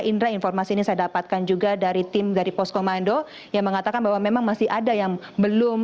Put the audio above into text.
indra informasi ini saya dapatkan juga dari tim dari poskomando yang mengatakan bahwa memang masih ada yang belum